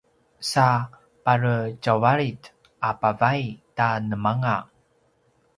sa pare tjauvalit a pavay ta nemanga